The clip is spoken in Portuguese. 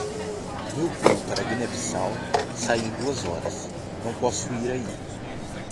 Meu voo para Guiné-Bissau sai em duas horas, não posso ir aí.